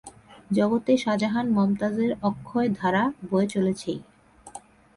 জগতে শাজাহান-মমতাজের অক্ষয় ধারা বয়ে চলেছেই।